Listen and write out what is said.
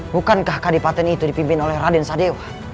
bukankah kadipaten itu dipimpin oleh raden sadeo